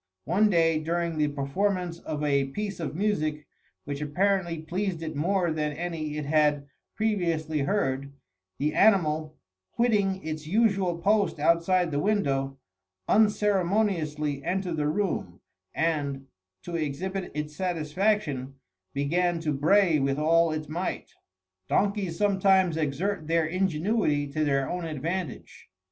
One day, during the performance of a piece of music which apparently pleased it more than any it had previously heard, the animal, quitting its usual post outside the window, unceremoniously entered the room, and, to exhibit its satisfaction, began to bray with all its might. Donkeys sometimes exert their ingenuity to their own advantage.